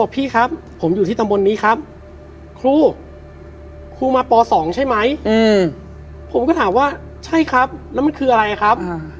พี่ครับผมอยู่ที่ตำบลนี้ครับครูครูมาป๒ใช่ไหมผมก็ถามว่าใช่ครับแล้วมันคืออะไรครับ